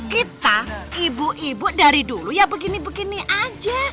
kita ibu ibu dari dulu ya begini begini aja